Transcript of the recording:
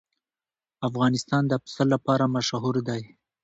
افغانستان د پسه لپاره مشهور دی.